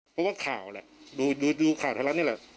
เพราะว่าข่าวแหละดูดูดูข่าวเท่านั้นเนี่ยแหละ